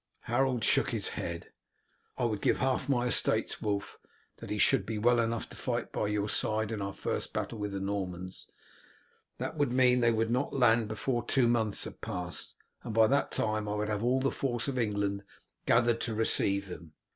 Harold shook his head. "I would give half my estates, Wulf, that he should be well enough to fight by your side in our first battle with the Normans. That would mean that they would not land before two months have passed, and by that time I would have all the force of England gathered to receive them.